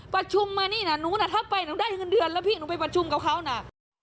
ประชุมมานี่น่ะหนูถ้าไปหนูได้๑เดือนแล้วหนูไปประชุมกับเค้านะ